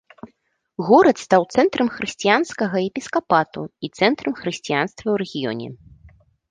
Горад стаў цэнтрам хрысціянскага епіскапату і цэнтрам хрысціянства ў рэгіёне.